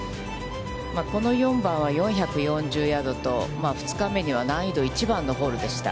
この４番は４４０ヤードと２日目には難易度一番のホールでした。